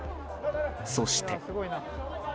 そして。